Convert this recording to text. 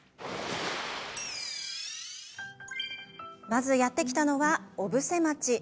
まずやって来たのは、小布施町。